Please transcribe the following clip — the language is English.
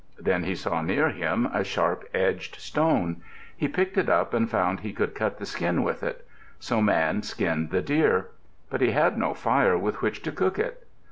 Then he saw near him a sharp edged stone. He picked it up and found he could cut the skin with it. So Man skinned the deer. But he had no fire with which to cook it.